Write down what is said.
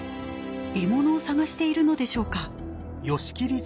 獲物を探しているのでしょうか。